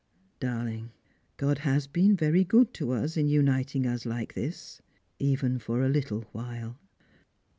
Darling, God has been very good to us in uniting us like this, even for a little while."